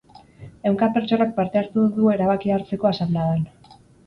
Ehunka pertsonak parte hartu du erabakia hartzeko asanbladan.